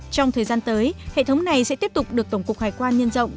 trong thời gian tới hệ thống này sẽ tiếp tục được tổng cục hải quan nhân rộng